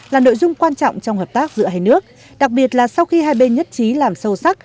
là nội dung quan trọng trong hợp tác giữa hai nước đặc biệt là sau khi hai bên nhất trí làm sâu sắc